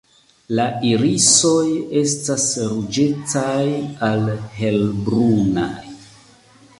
La irisoj estas ruĝecaj al helbrunaj.